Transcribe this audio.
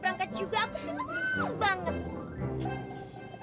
aku seneng banget